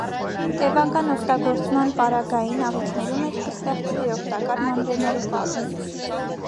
Տեւական օգտագործման պարագային, աղիքներու մէջ կը ստեղծուի օգտակար մանրէներու կազմ։